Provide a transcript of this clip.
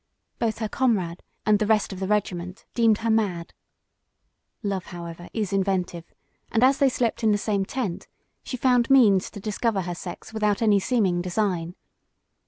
Both her comrade and the rest of the regiment deemed her mad. Love, however, is inventive, and as they slept in the same tent, she found means to discover her sex without any seeming design.